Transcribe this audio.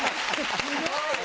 すごいよ！